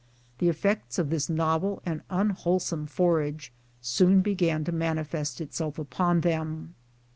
The effects of this novel and unwholesome fora2;e soon be gan to manifest itself upon them.